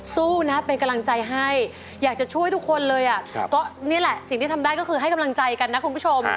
สู้นะเป็นกำลังใจให้อยากจะช่วยทุกคนเลยอ่ะก็นี่แหละสิ่งที่ทำได้ก็คือให้กำลังใจกันนะคุณผู้ชม